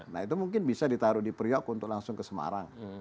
nah itu mungkin bisa ditaruh di priok untuk langsung ke semarang